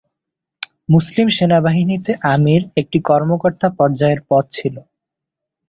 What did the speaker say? মুসলিম সেনাবাহিনীতে আমির একটি কর্মকর্তা পর্যায়ের পদ ছিল।